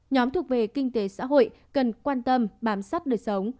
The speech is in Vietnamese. nhóm thuộc về kinh tế xã hội cần quan tâm bám sát đời sống